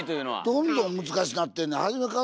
どんどん難しなってんねん。